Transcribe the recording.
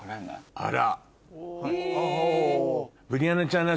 あら。